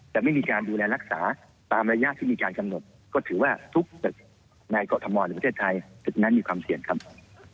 จะไม่มีการดูแลรักษาตามระยะที่มีการกำหนดก็ถือว่าทุกตึกในกรทมหรือประเทศไทยตึกนั้นมีความเสี่ยงครับ